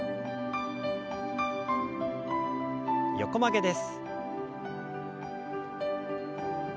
横曲げです。